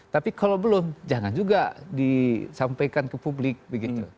tapi kalau belum jangan juga disampaikan ke publik begitu